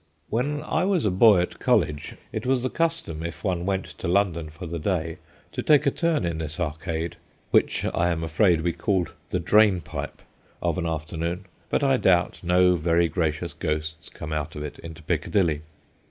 When I was a boy at college it 124 THE GHOSTS OF PICCADILLY was the custom, if one went to London for the day, to take a turn in this Arcade, which, I am afraid, we called the ' drain pipe/ of an afternoon, but I doubt no very gracious ghosts come out of it into Piccadilly.